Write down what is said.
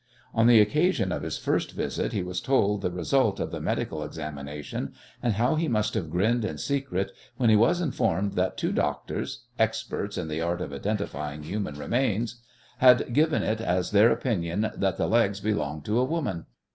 On the occasion of his first visit he was told the result of the medical examination, and how he must have grinned in secret when he was informed that two doctors, experts in the art of identifying human remains, had given it as their opinion that the legs belonged to a woman.